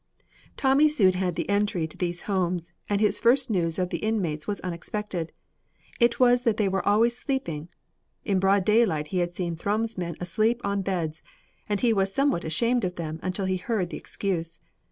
Tommy soon had the entry to these homes, and his first news of the inmates was unexpected. It was that they were always sleeping. In broad daylight he had seen Thrums men asleep on beds, and he was somewhat ashamed of them until he heard the excuse.